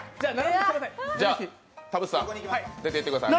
田渕さん出ていってください。